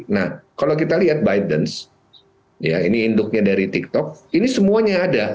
nah kalau kita lihat bidence ya ini induknya dari tiktok ini semuanya ada